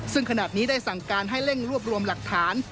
ซึ่งขณะนี้ได้สั่งการให้เร่งรวบรวมหลักฐาน